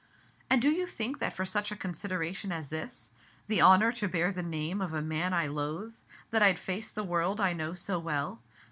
"And do you think that for such a consideration as this the honor to bear the name of a man I loathe that I 'd face that world I know so well?